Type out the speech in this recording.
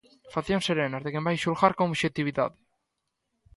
Faccións serenas de quen vai xulgar con obxectividade.